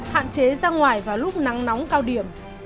hạn chế ra ngoài vào lúc nắng nóng cao điểm